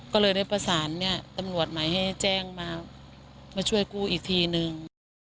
ก็เลยในประสานเนี้ยตำลวดหมายให้แจ้งมามาช่วยกู้อีกทีหนึ่ง